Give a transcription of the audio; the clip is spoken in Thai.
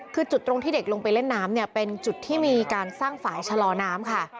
คือจุดตรงที่เด็กลงไปเล่นน้ำเนี่ยเป็นจุดที่มีการสร้างฝ่ายชะลอน้ำค่ะ